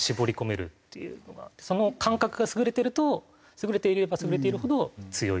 その感覚が優れてると優れていれば優れているほど強い。